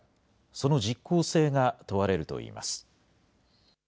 その実効性が問われるといいます。